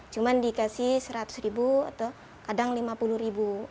cuma dikasih seratus ribu atau kadang lima puluh ribu